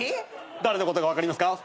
誰のことか分かりますか？